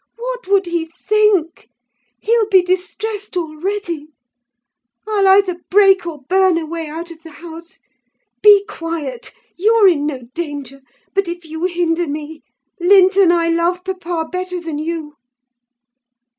What would he think? He'll be distressed already. I'll either break or burn a way out of the house. Be quiet! You're in no danger; but if you hinder me—Linton, I love papa better than you!"